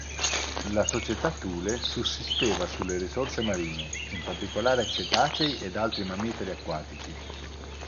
La società Thule sussisteva sulle risorse marine, in particolare cetacei ed altri mammiferi acquatici.